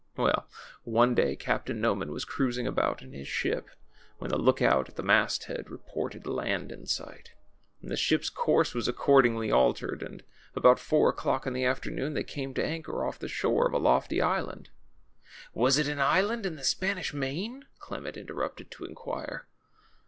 Well, one day. Captain Noman Avas cruising about in his ship, Avhen the look out at the mast head reported land in sight. The ship's course was accordingly altered, and about four o'clock in the afternoon they came to anchor off the shore of a lofty island." ^^Was it an island in the Spanish Main?" Clement interrupted to inquire.